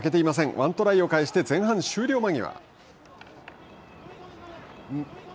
ワントライを返して前半終了間際。